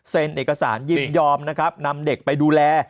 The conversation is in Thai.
เอกสารยินยอมนะครับนำเด็กไปดูแล